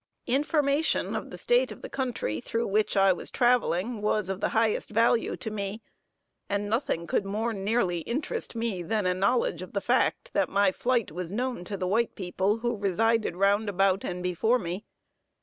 Information of the state of the country through which I was traveling, was of the highest value to me; and nothing could more nearly interest me than a knowledge of the fact, that my flight was known to the white people, who resided round about and before me.